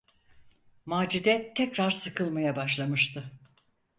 Macide tekrar sıkılmaya başlamıştı.